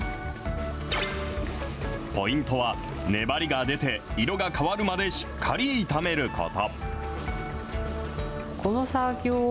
ポイントは、粘りが出て色が変わるまでしっかり炒めること。